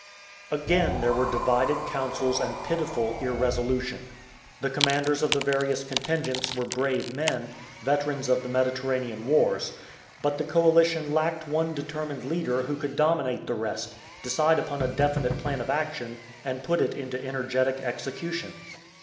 Again there were divided counsels and pitiful irresolution. The commanders of the various contingents were brave men, veterans of the Mediterranean wars. But the coalition lacked one determined leader who could dominate the rest, decide upon a definite plan of action, and put it into energetic execution.